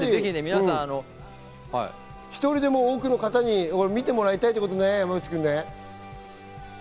１人でも多くの方に見てもらいたいってことね、山口君。